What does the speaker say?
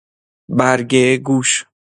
برگه گوش